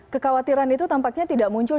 kekhawatiran itu tampaknya tidak muncul